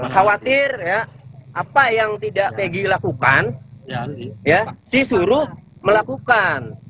khawatir ya apa yang tidak peggy lakukan disuruh melakukan